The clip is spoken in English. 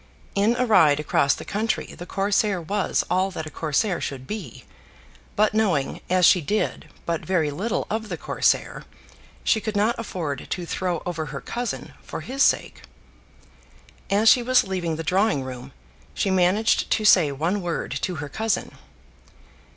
In a ride across the country the Corsair was all that a Corsair should be; but knowing, as she did, but very little of the Corsair, she could not afford to throw over her cousin for his sake. As she was leaving the drawing room, she managed to say one word to her cousin.